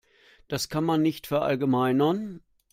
Das kann man nicht verallgemeinern.